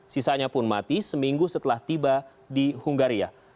sisanya pun mati seminggu setelah tiba di hungaria